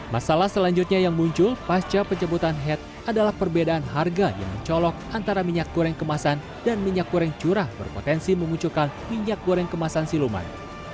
masalah selanjutnya yang muncul pasca pencabutan head adalah perbedaan harga yang mencolok antara minyak goreng kemasan dan minyak goreng curah berpotensi memunculkan minyak goreng kemasan siluman